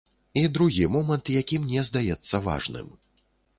І другі момант, які мне здаецца важным.